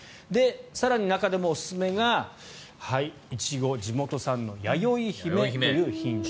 更に中でもおすすめがイチゴ地元産のやよいひめという品種。